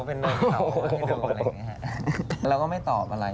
เป็นเหนื่องอะไรอย่างเงี้ย